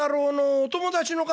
「お友達の方。